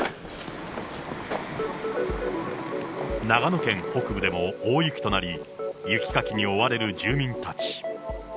長野県北部でも大雪となり、雪かきに追われる住民たち。